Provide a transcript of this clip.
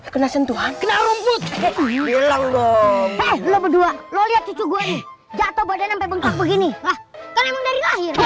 kena sentuhan kena rumput bilang lo berdua lo lihat cucu gue jatuh badan sampai bengkak begini